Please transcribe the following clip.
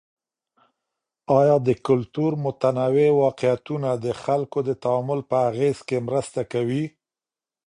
آیا د کلتور متنوع واقعيتونه د خلګو د تعامل په اغیز کي مرسته کوي؟